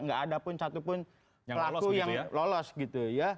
gak ada pun satu pun pelaku yang lolos gitu ya